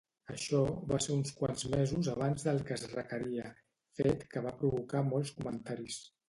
Això va ser uns quants mesos abans del que es requeria, fet que va provocar molts comentaris.